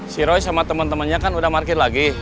si roy sama temen temennya kan udah market lagi